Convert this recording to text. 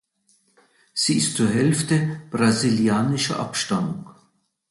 Sie ist zur Hälfte brasilianischer Abstammung.